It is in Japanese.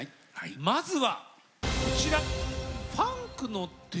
まずはこちら。